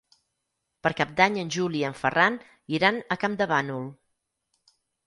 Per Cap d'Any en Juli i en Ferran iran a Campdevànol.